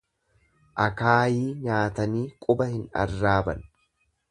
Akaayii nyaatanii quba hin arraaban.